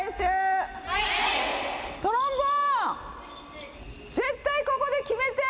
トロンボーン、絶対ここで決めて！